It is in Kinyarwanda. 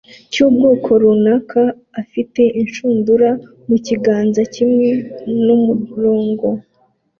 cyubwoko runaka afite inshundura mukiganza kimwe numurongo